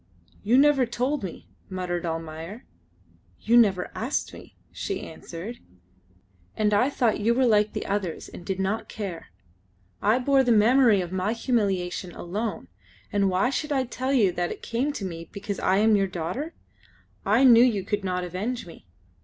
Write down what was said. "You never told me," muttered Almayer. "You never asked me," she answered, "and I thought you were like the others and did not care. I bore the memory of my humiliation alone, and why should I tell you that it came to me because I am your daughter? I knew you could not avenge me."